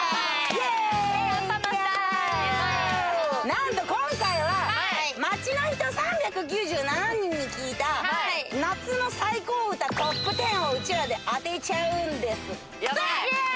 なんと今回は、街の人３９７人に聞いた夏の最高歌トップ１０をうちらで当てちゃうんです。